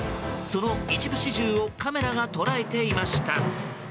その一部始終をカメラが捉えていました。